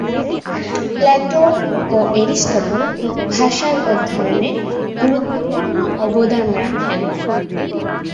Plato ও Aristotle ভাষার অধ্যয়নে গুরুত্বপূর্ণ অবদান রাখেন।